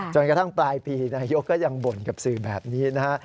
จนกระทั่งปลายปีนายกก็ยังบ่นกับสื่อแบบนี้นะฮะ